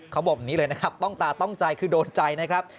เขาบอกแบบนี้เลยนะครับต้องตาต้องใจคือโดนใจนะครับ